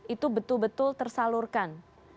itu betul betul tersalurkan